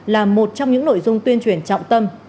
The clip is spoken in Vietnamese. là một trong những nội dung tuyên truyền trọng tâm